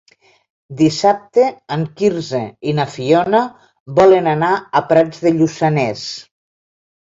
Dissabte en Quirze i na Fiona volen anar a Prats de Lluçanès.